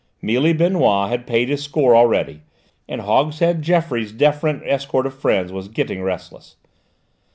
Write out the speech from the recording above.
Mealy Benoît had paid his score already, and Hogshead Geoffroy's deferent escort of friends was getting restless.